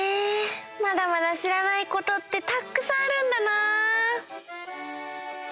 まだまだしらないことってたっくさんあるんだな！